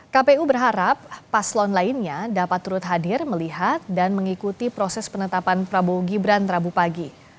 kpu berharap paslon lainnya dapat turut hadir melihat dan mengikuti proses penetapan prabowo gibran rabu pagi